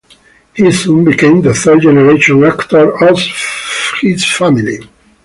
He soon became the third generation actor of his family.